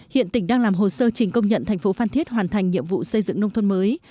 hiện tỉnh đang làm hồ sơ trình công nhận thành phố phan thiết hoàn thành nhiệm vụ xây dựng nông thôn mới